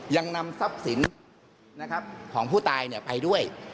ยังนำทรัพย์สินของผู้ตายไปด้วย